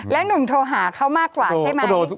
หนุ่มโทรหาเขามากกว่าใช่ไหม